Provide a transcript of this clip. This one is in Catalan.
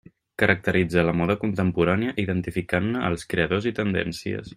Caracteritza la moda contemporània identificant-ne els creadors i tendències.